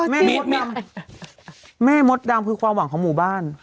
แม่มดดำแม่มดดำคือความหวังของหมู่บ้าน